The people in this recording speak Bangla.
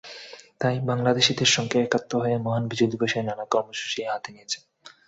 তাই বাংলাদেশিদের সঙ্গে একাত্ম হয়ে মহান বিজয় দিবসে নানা কর্মসূচি হাতে নিয়েছি।